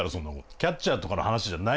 キャッチャーとかの話じゃない。